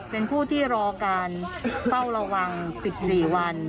เป็นผู้ที่รอการเฝ้าระวัง๑๔วัน